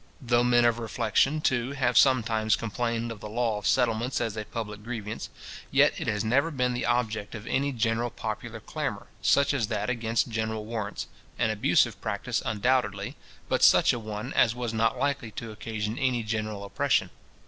Though men of reflection, too, have sometimes complained of the law of settlements as a public grievance; yet it has never been the object of any general popular clamour, such as that against general warrants, an abusive practice undoubtedly, but such a one as was not likely to occasion any general oppression.